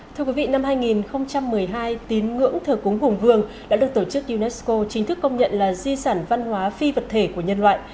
thưa quý vị năm hai nghìn một mươi hai tín ngưỡng thờ cúng hùng vương đã được tổ chức unesco chính thức công nhận là di sản văn hóa phi vật thể của nhân loại